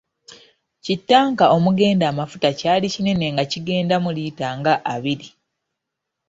Kittanka omugenda amafuta kyali kinene nga kigendamu liita nga abiri.